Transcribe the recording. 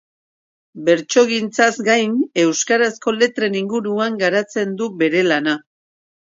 Bertsogintzaz gain, euskarazko letren inguruan garatzen du bere lana.